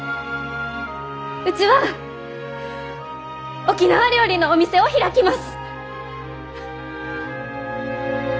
うちは沖縄料理のお店を開きます！